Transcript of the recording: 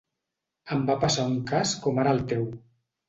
Em va passar un cas com ara el teu.